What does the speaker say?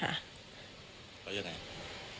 เรายังไง